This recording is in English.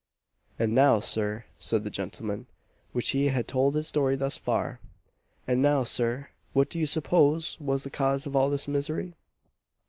"And now, Sir," said the gentleman, when he had told his story thus far "and now, Sir, what do you suppose was the cause of all this misery?"